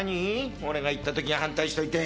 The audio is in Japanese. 俺が言った時は反対しといて！